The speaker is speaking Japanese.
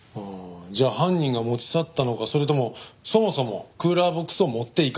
じゃあ犯人が持ち去ったのかそれともそもそもクーラーボックスを持っていかなかったのか。